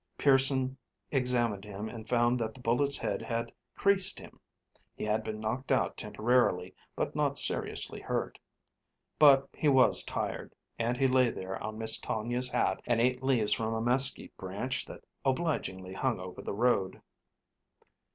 Pearson examined him and found that the bullet had "creased" him. He had been knocked out temporarily, but not seriously hurt. But he was tired, and he lay there on Miss Tonia's hat and ate leaves from a mesquite branch that obligingly hung over the road.